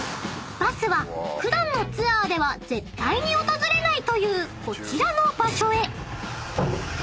［バスは普段のツアーでは絶対に訪れないというこちらの場所へ］